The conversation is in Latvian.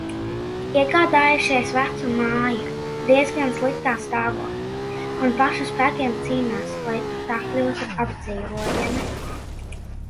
Iegādājušies vecu māju, diezgan sliktā stāvoklī, un pašu spēkiem cīnās, lai tā kļūtu apdzīvojama.